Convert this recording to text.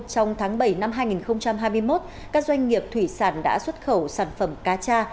trong tháng bảy năm hai nghìn hai mươi một các doanh nghiệp thủy sản đã xuất khẩu sản phẩm cá cha